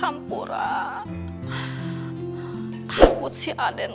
aku takut dengan haden